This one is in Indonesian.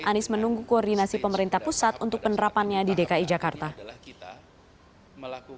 anies menunggu koordinasi pemerintah pusat untuk penerapannya di dki jakarta